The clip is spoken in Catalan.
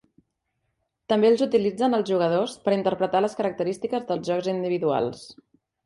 També els utilitzen els jugadors per interpretar les característiques dels jocs individuals.